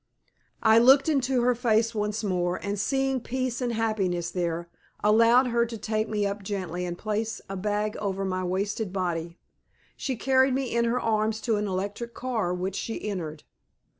I looked into her face once more, and seeing peace and happiness there, allowed her to take me up gently and place a bag over my wasted body. She carried me in her arms to an electric car, which she entered.